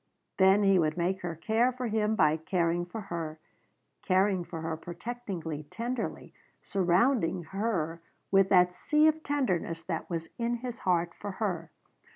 Then he would make her care for him by caring for her caring for her protectingly, tenderly, surrounding her with that sea of tenderness that was in his heart for her.